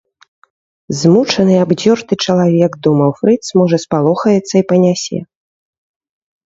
Змучаны і абдзёрты чалавек, думаў фрыц, можа спалохаецца і панясе.